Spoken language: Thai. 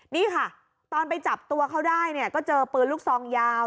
นี่ค่ะตอนไปจับตัวเขาได้เนี่ยก็เจอปืนลูกซองยาว